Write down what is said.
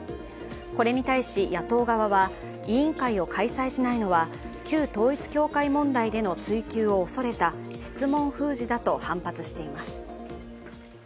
これに対し、野党側は委員会を開催しないのは旧統一教会問題での追及を恐れた質問封じだと反発しています。